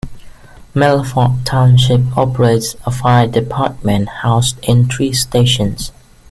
Milford Township operates a fire department, housed in three stations.